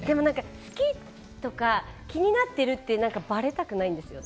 好きとか、気になってるってバレたくないんです。